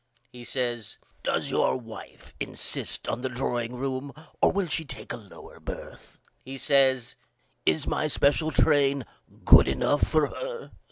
He says Does your wife insist on the drawing room or will she take a lower birth? He says Is my special train good enough for her?